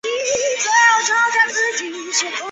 兴元县是越南乂安省下辖的一个县。